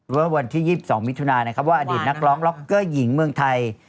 วันที่๒๒มิถุนานะครับว่าอดีตนักร้องล็อกเกอร์หญิงเมืองไทย